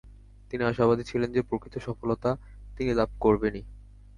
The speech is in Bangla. তিনি আশাবাদী ছিলেন যে, প্রকৃত সফলতা তিনি লাভ করবেনই।